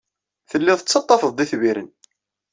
Telliḍ tettaḍḍafeḍ-d itbiren.